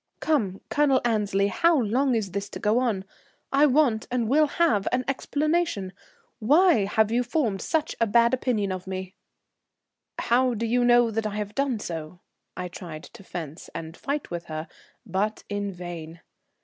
"Come, Colonel Annesley, how long is this to go on? I want and will have an explanation. Why have you formed such a bad opinion of me?" "How do you know I have done so?" I tried to fence and fight with her, but in vain.